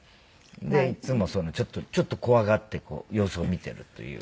でいつもちょっと怖がってこう様子を見てるという。